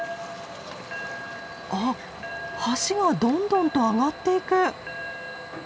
あっ橋がどんどんと上がっていく。